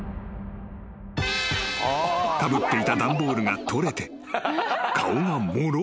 ［かぶっていた段ボールが取れて］